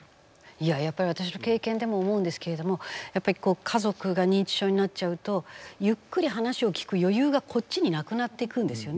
やっぱり私の経験でも思うんですけれどもやっぱり家族が認知症になっちゃうとゆっくり話を聞く余裕がこっちになくなっていくんですよね。